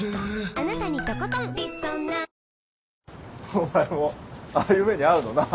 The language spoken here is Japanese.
お前もああいう目に遭うのな。